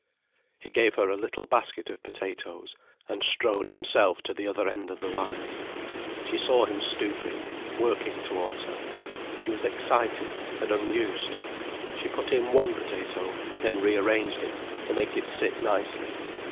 He gave her a little basket of potatoes, and strode himself to the other end of the line. She saw him stooping, working towards her. She was excited, and unused. She put in one potato, then rearranged it, to make it sit nicely.